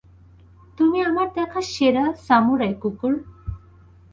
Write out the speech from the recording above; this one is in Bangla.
তুমি আমার দেখা সেরা সামুরাই কুকুর।